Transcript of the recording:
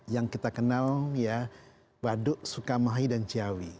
yang kita kenal ya waduk sukamahi dan ciawi